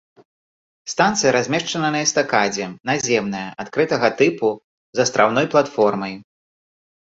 Станцыя размешчана на эстакадзе, наземная адкрытага тыпу з астраўной платформай.